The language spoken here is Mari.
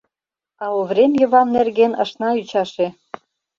А Оврем Йыван нерген ышна ӱчаше.